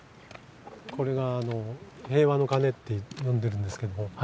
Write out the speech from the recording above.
これがあの「平和の鐘」って呼んでるんですけども。